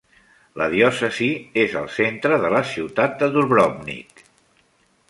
La diòcesi és al centre de la ciutat de Dubrovnik.